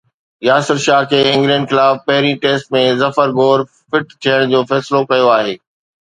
ياسر شاهه کي انگلينڊ خلاف پهرين ٽيسٽ ۾ ظفر گوهر فٽ ٿيڻ جو فيصلو ڪيو آهي